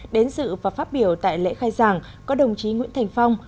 đến dự và phát biểu tại lễ khai giảng có đồng chí nguyễn thành phong